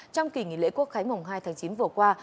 trong kỳ nghỉ lễ quốc khái mùng hai tháng chín vừa qua